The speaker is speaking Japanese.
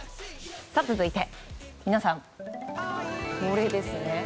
続いて、皆さんこれですね。